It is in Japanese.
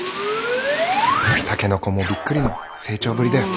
タケノコもびっくりの成長ぶりだよ。